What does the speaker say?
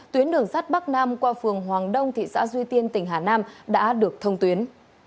tuyến đường sắt bắc nam qua phường hoàng đông thị xã duy tiên tỉnh hà nam đã được thông tuyến